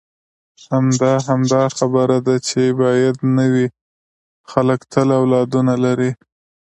همدا، همدا خبره ده چې باید نه وي، خلک تل اولادونه لري.